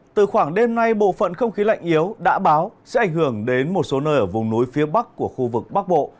từ khoảng đêm nay bộ phận không khí lạnh yếu đã báo sẽ ảnh hưởng đến một số nơi ở vùng núi phía bắc của khu vực bắc bộ